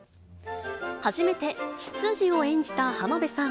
初めて執事を演じた浜辺さん。